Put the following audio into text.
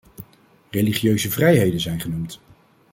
Religieuze vrijheden zijn genoemd.